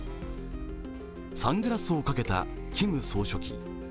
サングラスをかけたキム総書記。